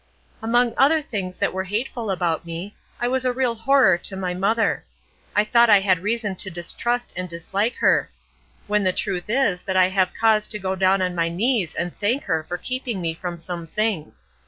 "Among other things that were hateful about me, I was a real horror to my mother. I thought I had reason to distrust and dislike her; when the truth is that I have cause to go down on my knees and thank her for keeping me from some things.